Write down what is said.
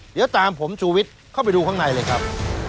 เดี๋ยวตามผมชูวิทย์เข้าไปดูข้างในเลยครับ